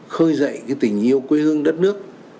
khơi dậy tình yêu quê hương đất nước